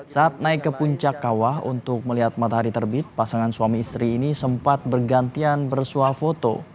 saat naik ke puncak kawah untuk melihat matahari terbit pasangan suami istri ini sempat bergantian bersuah foto